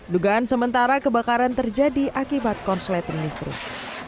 dugaan sementara kebakaran terjadi akibat konsleting listrik